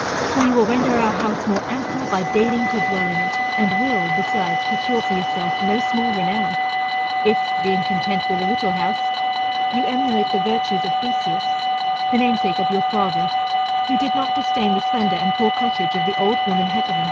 For you will render our house more ample by deigning to dwell in it: and will, besides, procure for yourself no small renown, if, being content with a little house, you emulate the virtues of Theseus, the namesake of your father, who did not disdain the slender and poor cottage of the old woman Hecale.